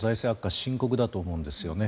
深刻だと思うんですね。